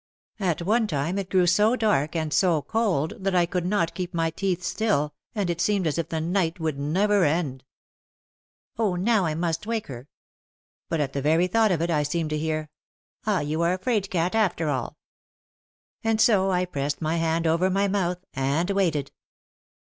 At one time it grew so dark and so cold that I could not keep my teeth still and it seemed as if the night would never end. "Oh, now I must wake her." But at the very thought of it I seemed to hear, "Ah, you are a 'Fraid cat after all." And so I pressed my hand over my mouth and waited.